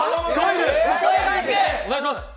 お願いします。